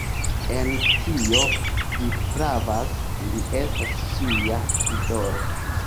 En tio vi pravas; li estas ŝia idolo...